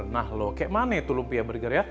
nah loh kayak mana itu lumpia burger ya